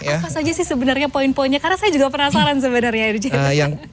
apa saja sih sebenarnya poin poinnya karena saya juga penasaran sebenarnya